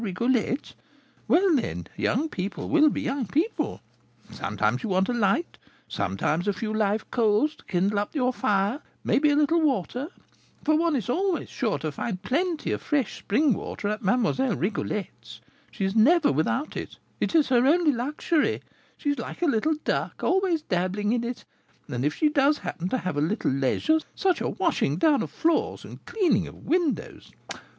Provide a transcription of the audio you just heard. Rigolette; well, then, young people will be young people, sometimes you want a light, sometimes a few live coals to kindle up your fire, maybe a little water, for one is sure always to find plenty of fresh spring water at Mlle. Rigolette's, she is never without it; it is her only luxury, she is like a little duck, always dabbling in it; and if she does happen to have a little leisure, such a washing down of floors and cleaning of windows!